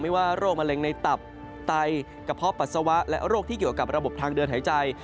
ว่าโรคมะเร็งในตับไตกระเพาะปัสสาวะและโรคที่เกี่ยวกับระบบทางเดินหายใจ